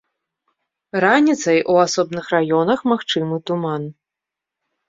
Раніцай у асобных раёнах магчымы туман.